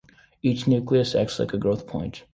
Each nucleus acts like a growth point.